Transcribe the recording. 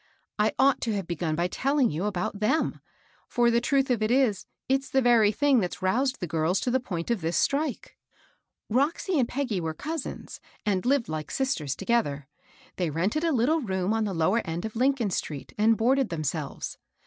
I ought to have begun by telling you about them ; for the truth of it is, it's the very thing that's roused the girls to the point of this strike, " Roxy and Peggy weire cousins, and lived hke sisters together. They rented a little room on the lower end of Lincoln street, and boarded them selves.